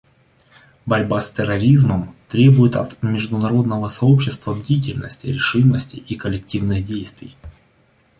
Борьба с терроризмом требует от международного сообщества бдительности, решимости и коллективных действий.